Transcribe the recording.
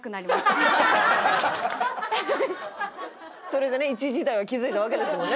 それでね一時代を築いたわけですもんね